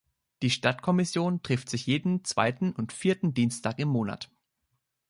Die Stadtkommission trifft sich jeden zweiten und vierten Dienstag im Monat.